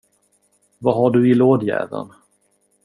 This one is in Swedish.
Vad har du i lådjäveln?